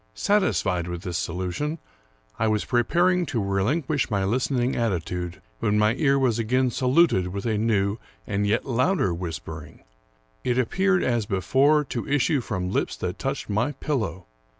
Satisfied with this solution, I was pre paring to relinquish my listening attitude, when my ear was again saluted with a new and yet louder whispering. It appeared, as before, to issue from lips that touched my pillow.